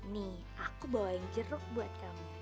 nih aku bawa ini jeruk buat kamu